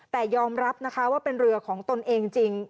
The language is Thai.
แต่ยอมรับนะคะว่าเป็นเรือของตนเองจริง